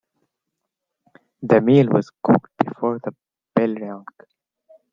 The meal was cooked before the bell rang.